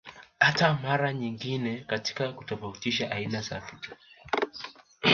Hata mara nyingine katika kutofautisha aina za vitu